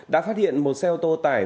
đã phát hiện một xe ô tô tải